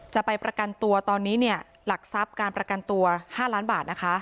จะไปประกันตัวตอนนี้เนี่ยหลักทรัพย์การประกันตัว๕ล้านบาทนะคะ